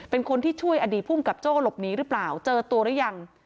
เป็นคนที่ช่วยอดีตภูมิกับโจ้หลบหนีหรือเปล่าเจอตัวหรือยัง